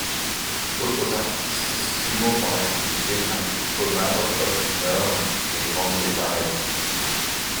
D'autres artistes screamo en activité incluent Comadre, Off Minor, et Vendetta Red.